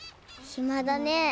ひまだねえ。